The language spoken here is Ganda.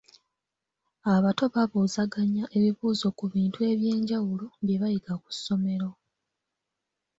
Abato babuuzaganya ebibuuzo ku bintu eby'enjawulo bye bayiga ku ssomero.